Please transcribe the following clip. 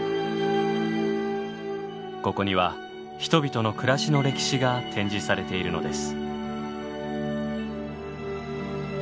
ここには人々の暮らしの歴史が展示されているのです。